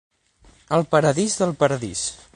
El paradís del paradís.